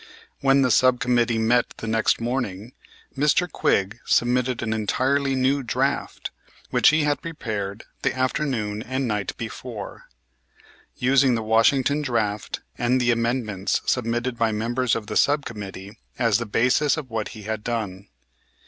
When the sub committee met the next morning Mr. Quigg submitted an entirely new draft, which he had prepared the afternoon and night before, using the Washington draft and the amendments submitted by members of the sub committee as the basis of what he had done.